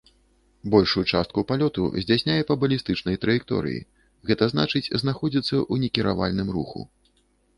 Большую частку палёту здзяйсняе па балістычнай траекторыі, гэта значыць знаходзіцца ў некіравальным руху.